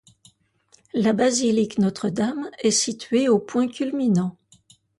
La basilique Notre-Dame est située au point culminant.